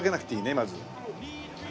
まず。